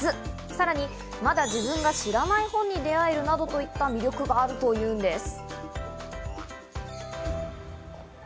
さらにまだ自分が知らない本に出会えるなどといった魅力あるというんです。